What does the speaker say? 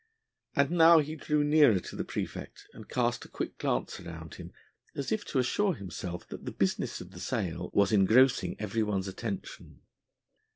And now he drew nearer to the praefect and cast a quick glance around him as if to assure himself that the business of the sale was engrossing everyone's attention.